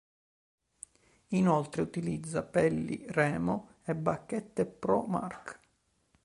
Inoltre utilizza pelli Remo e bacchette Pro-Mark.